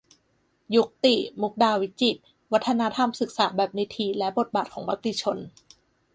ยุกติ มุกดาวิจิตร : วัฒนธรรมศึกษาแบบนิธิ และบทบาทของมติชน